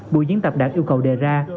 bộ diễn tập đảng yêu cầu đề ra